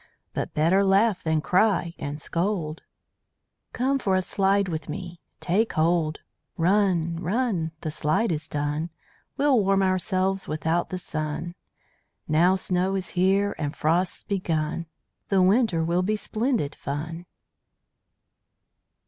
But better laugh than cry and scold. Come for a slide with me. Take hold! Run, run! The slide is done. We'll warm ourselves without the sun. Now snow is here and frost's begun, The Winter will be splendid fun.